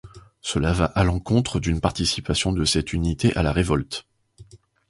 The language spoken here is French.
Cela va à l'encontre d'une participation de cette unité à la révolte.